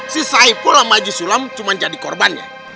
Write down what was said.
si saipul sama si sulam cuma jadi korbannya